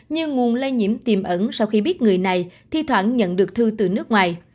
như nguồn lây nhiễm tiềm ẩn sau khi biết người này thi thoảng nhận được thư từ nước ngoài